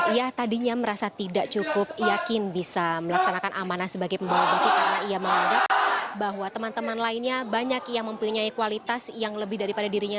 ia tadinya merasa tidak cukup yakin bisa melaksanakan amanah sebagai pembawa bukti karena ia menganggap bahwa teman teman lainnya banyak yang mempunyai kualitas yang lebih daripada dirinya